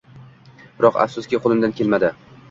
biroq, afsuski, qo'limdan kelmadi.